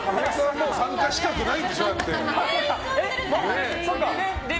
もう参加資格がないでしょ。